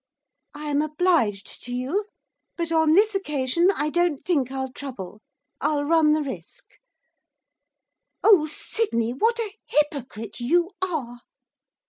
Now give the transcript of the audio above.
'I am obliged to you, but, on this occasion, I don't think I'll trouble. I'll run the risk. Oh, Sydney, what a hypocrite you are!